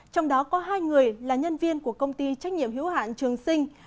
trong đó có hai người là nhân viên của công ty trách nhiệm hiếu hạn trường sinh